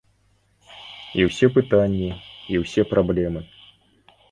І ўсе пытанні, і ўсе праблемы.